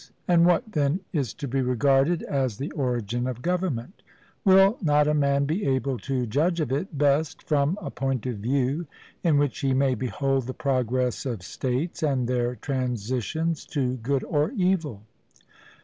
And what, then, is to be regarded as the origin of government? Will not a man be able to judge of it best from a point of view in which he may behold the progress of states and their transitions to good or evil?